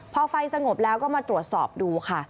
พอไฟสงบแล้วก็มาตรวจสอบดูค่ะ